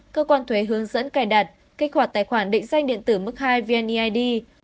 cơ quan thuế hướng dẫn cài đặt kích hoạt tài khoản định danh điện tử mức hai vneid